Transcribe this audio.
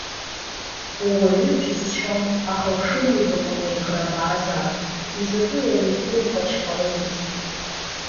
Ууаҩу џьысшьон, аха ушынеибаку уеиӷрабаазаап, изакәи ари иупачҟалеиз?